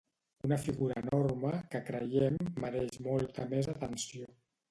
Una figura enorme que creiem mereix molta més atenció.